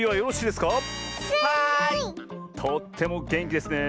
とってもげんきですねえ。